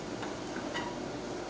tapi saya juga menemukan